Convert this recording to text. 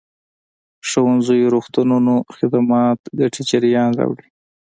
ښوونځيو روغتونونو خدمات ګټې جريان راوړي.